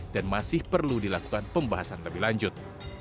dan masih perlu dilakukan pembahasan lebih lanjut